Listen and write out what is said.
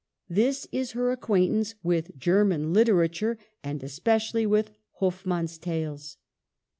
This is her acquaintance with German literature, and espe cially with Hoffmann's tales.